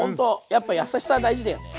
やっぱ優しさは大事だよね。